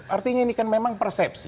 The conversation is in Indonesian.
artinya ini kan memang persepsi